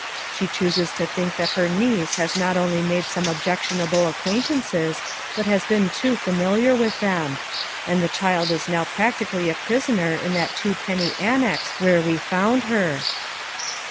She chooses to think that her niece has not only made some objectionable acquaintances, but has been too familiar with them ; and the child is now prac tically a prisoner in that two penny annex where we found her."